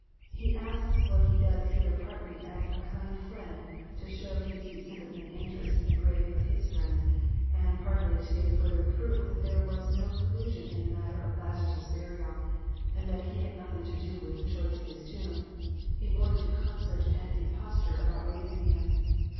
He asks what He does here partly as a kind friend to show His deep sympathy and interest in the grave of His friend, and partly to give farther proof that there was no collu sion in the matter of Lazarus' burial, and that He had nothing to do with the choice of his tomb, in order to concert an impos* JOHN, CHAF. XI. 275 V tore about raising him.